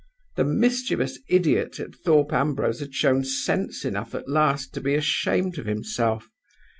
The mischievous idiot at Thorpe Ambrose had shown sense enough at last to be ashamed of himself.